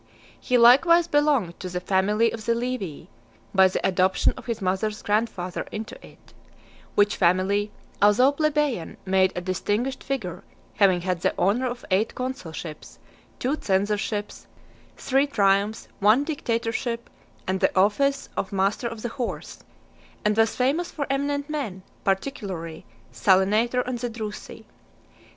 He likewise belonged to the family of the Livii, by the adoption of his mother's grandfather into it; which family, although plebeian, made a (195) distinguished figure, having had the honour of eight consulships, two censorships, three triumphs, one dictatorship, and the office of master of the horse; and was famous for eminent men, particularly, Salinator and the Drusi.